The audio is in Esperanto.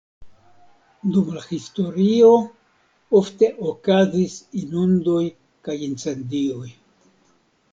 Dum la historio ofte okazis inundoj kaj incendioj.